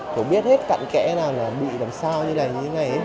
cố biết hết cặn kẽ nào là bị làm sao như thế này như thế này hết